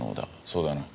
そうだな？